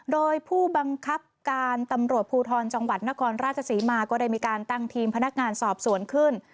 โดยผู้บังคับการตำรวจภูทรจังหวัดนครราชศรีมาก็ได้มีการตั้งทีมพนักงานสอบสวนขึ้น